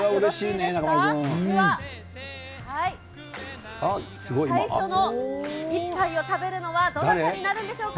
では、最初の一杯を食べるのはどなたになるんでしょうか。